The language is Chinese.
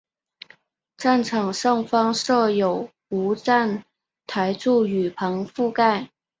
站场上方设有无站台柱雨棚覆盖。